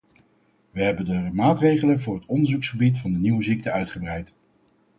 We hebben de maatregelen voor het onderzoeksgebied van de nieuwe ziekte uitgebreid.